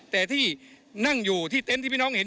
แต่ที่นั่งอยู่ที่เต็นต์ที่พี่น้องเห็น